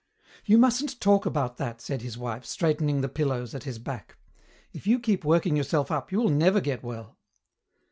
"You mustn't talk about that," said his wife, straightening the pillows at his back. "If you keep working yourself up, you will never get well."